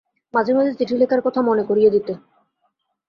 মাঝে মাঝে চিঠি লেখার কথা মনে করিয়ে দিতে।